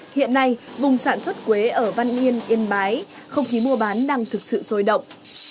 hiện nay vùng sản xuất quế ở văn yên yên bái không khí mua bán đang thực sự sôi động